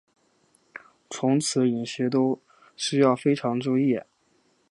从此饮食都需要非常注意